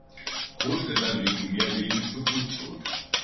Großstädter legen mehr Wege zu Fuß zurück.